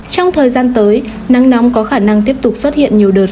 trong thời gian tới nắng nóng có khả năng tiếp tục xuất hiện nhiều đợt